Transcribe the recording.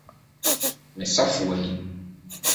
Me safoa ni